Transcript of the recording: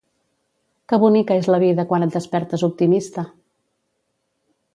Que bonica és la vida quan et despertes optimista!